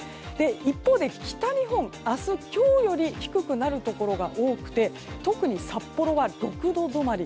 一方で北日本、明日今日より低くなるところが多くて特に札幌は６度止まり。